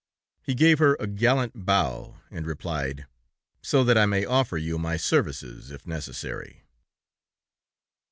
He gave her a gallant bow, and replied: "So that I may offer you my services, if necessary."